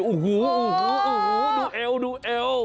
อู้หูดูเอว